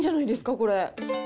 これ。